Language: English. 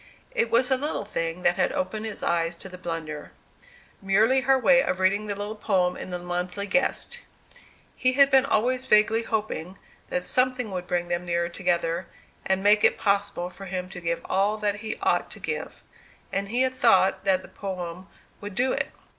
It was a little thing that had opened his eyes to the blunder, merely her way of reading the little poem in the Monthly Guest. He had been always vaguely hoping that something would bring them nearer together, and make it possible for him to give all that he ought to give; and he had thought that the poem would do it.